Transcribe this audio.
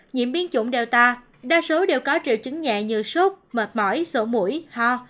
nhiễm biến chủng delta đa số đều có triệu chứng nhẹ như sốt mệt mỏi sổ mũi ho